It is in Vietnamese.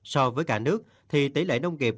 so với cả nước thì tỷ lệ nông nghiệp